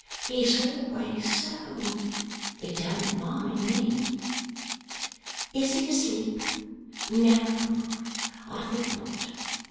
'It's always so. It don't mind me.' 'Is he asleep?' 'No, I think not.